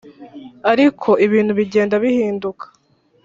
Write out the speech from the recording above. ariko ibintu bigenda bihinduka.